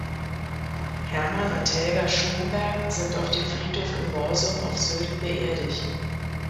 Hermann und Helga Schomberg sind auf dem Friedhof in Morsum auf Sylt beerdigt.